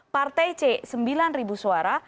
partai c sembilan ribu suara